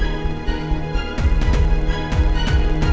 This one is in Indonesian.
setelah memberi semuanya